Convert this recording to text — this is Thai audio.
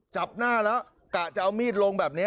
จับหน้าแล้วกะจะเอามีดลงแบบนี้